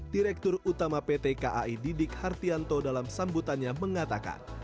direktur utama pt kai didik hartianto dalam sambutannya mengatakan